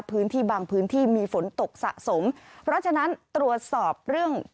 พื้นที่บางพื้นที่มีฝนตกสะสมเพราะฉะนั้นตรวจสอบเรื่อง